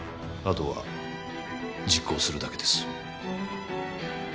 後は実行するだけです。